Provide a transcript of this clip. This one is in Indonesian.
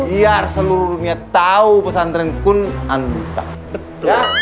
biar seluruh dunia tau pesantren kun antar